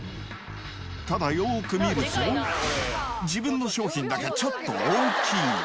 ただ、よーく見ると、自分の商品だけちょっと大きい。